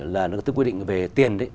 là nó tự quyết định về tiền đấy